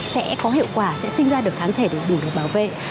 sẽ có hiệu quả sẽ sinh ra được kháng thể để đủ được bảo vệ